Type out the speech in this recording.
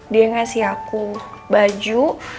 dia ngasih aku baju